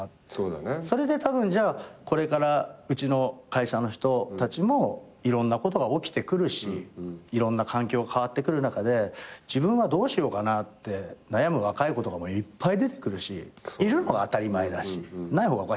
それでたぶんじゃあこれからうちの会社の人たちもいろんなことが起きてくるしいろんな環境が変わってくる中で「自分はどうしようかな」って悩む若い子とかもいっぱい出てくるしいるのが当たり前だしない方がおかしいわけ。